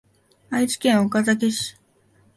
愛知県岡崎市